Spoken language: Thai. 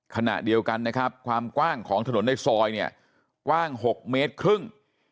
ขณะเดียวกันนะครับความกว้างของถนนในซอยเนี่ยกว้าง๖เมตรครึ่ง